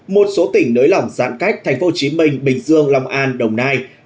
một số tỉnh nới lỏng giãn cách thành phố chí minh bình dương long an đồng nai